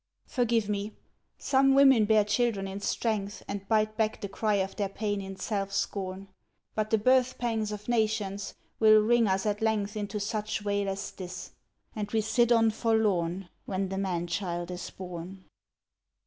Forgive me. Some women bear children in strength, And bite back the cry of their pain in self scorn. But the birth pangs of nations will wring us at length Into such wail as this! and we sit on forlorn When the man child is born.